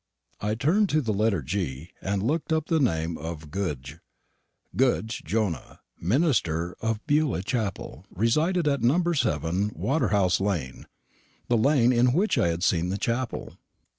I turned to the letter G, and looked up the name of Goodge. Goodge, Jonah, minister of Beulah Chapel, resided at No. 7, Waterhouse lane the lane in which I had seen the chapel.